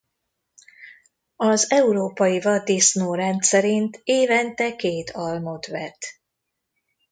Az európai vaddisznó rendszerint évente két almot vet.